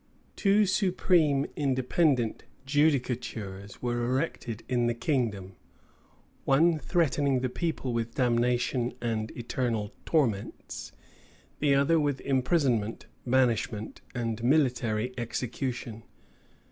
Two supreme independent judicatures were erected in the kingdom; one threatening the people with damnation and eternal torments, the other with imprisonment, banishment, and military execution.